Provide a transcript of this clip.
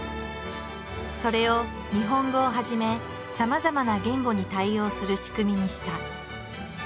それを日本語をはじめさまざまな言語に対応する仕組みにした。